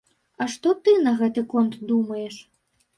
А што ты на гэты конт думаеш?